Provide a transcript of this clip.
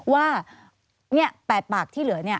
ว่าแปดปากที่เหลือนี้